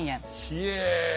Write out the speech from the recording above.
ひえ！